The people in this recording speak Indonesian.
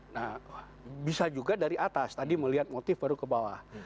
nah bisa juga dari atas tadi melihat motif baru ke bawah